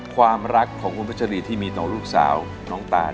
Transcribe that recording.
ความรักของคุณพัชรีที่มีต่อลูกสาวน้องตาน